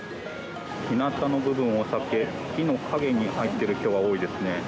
日なたの部分を避け木陰に入っている人が多いですね。